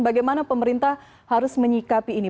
bagaimana pemerintah harus menyikapi ini